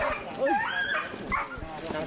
หลังจากที่สุดยอดเย็นหลังจากที่สุดยอดเย็น